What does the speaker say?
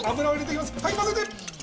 はいまぜて！